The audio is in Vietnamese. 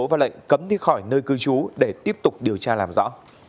và lệnh cấm đi khỏi nơi cư trú để tiếp tục điều tra làm rõ